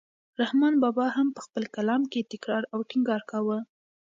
رحمان بابا هم په خپل کلام کې تکرار او ټینګار کاوه.